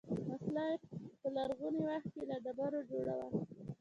وسله په لرغوني وخت کې له ډبرو جوړه وه